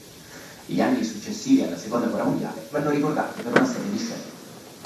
Gli anni successivi alla seconda guerra mondiale vanno ricordati per una serie di scelte.